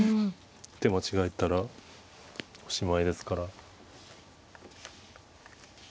一手間違えたらおしまいですから。